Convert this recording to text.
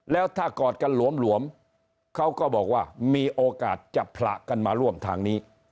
แล้วถ้ากอดกันหลวมเขาก็บอกว่ามีโอกาสจะผละกันมาร่วมทางนี้